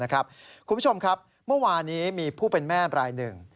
คุณผู้ชมครับเมื่อวานี้มีผู้เป็นแม่บรายหนึ่ง